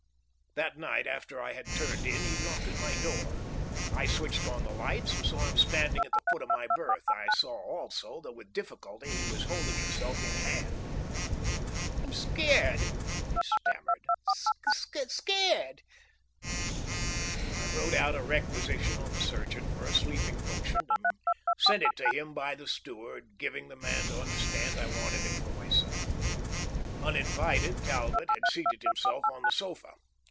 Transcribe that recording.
That night after I had turned in he knocked at my door. I switched on the lights and saw him standing at the foot of my berth. I saw also that with difficulty he was holding himself in hand. "I'm scared," he stammered, "scared!" I wrote out a requisition on the surgeon for a sleeping potion and sent it to him by the steward, giving the man to understand I wanted it for myself. Uninvited, Talbot had seated himself on the sofa.